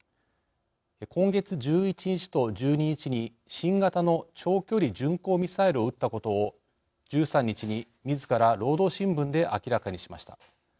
今月１１日と１２日に新型の長距離巡航ミサイルを撃ったことを１３日にみずから労働新聞で明らかにしました。